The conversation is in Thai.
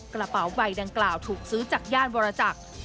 กระเป๋าใบดังกล่าวถูกซื้อจากย่านวรจักร